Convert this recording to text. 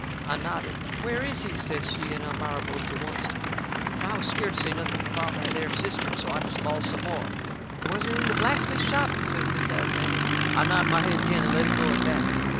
I nodded. "Where is he?" says she and Elmira, both to oncet. But I was scared to say nothing about that there cistern, so I jest bawled some more. "Was it in the blacksmith shop?" says Mis' Alexander. I nodded my head agin and let it go at that.